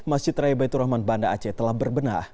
masjid raya baitur rahman banda aceh telah berbenah